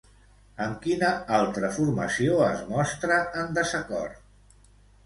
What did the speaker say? Amb quina altra formació es mostra en desacord?